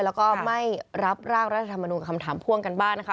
แล้วก็ไม่รับร่างรัฐธรรมนุนคำถามพ่วงกันบ้างนะคะ